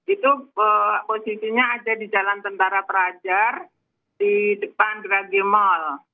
itu posisinya ada di jalan tentara prajar di depan geragimol